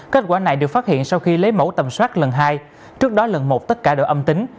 kết quả này được phát hiện sau khi lấy mẫu tầm soát lần hai trước đó lần một tất cả đều âm tính